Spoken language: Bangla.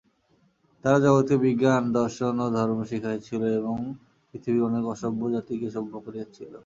তাহারা জগৎকে বিজ্ঞান দর্শন ও ধর্ম শিখাইয়াছিল এবং পৃথিবীর অনেক অসভ্য জাতিকে সভ্য করিয়াছিল।